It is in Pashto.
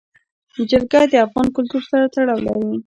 جلګه د افغان کلتور سره تړاو لري.